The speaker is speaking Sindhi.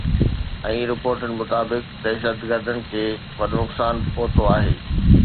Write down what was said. ۽ رپورٽن مطابق دهشتگردن کي وڏو نقصان پهتو آهي.